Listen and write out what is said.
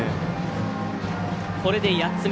これで８つ目。